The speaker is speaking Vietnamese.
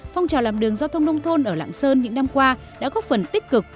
phong trào làm đường giao thông nông thôn ở lạng sơn những năm qua đã góp phần tích cực